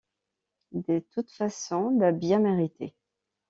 D’toutes façons, l’a bien mérité.